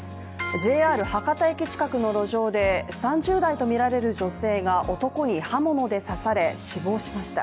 ＪＲ博多駅近くの路上で３０代とみられる女性が男に刃物で刺され、死亡しました。